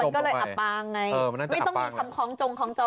มันก็เลยอับปางไง